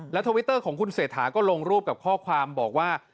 ทวิตเตอร์ของคุณเศรษฐาก็ลงรูปกับข้อความบอกว่า